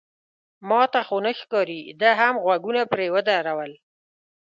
ما ته خو نه ښکاري، ده هم غوږونه پرې ودرول.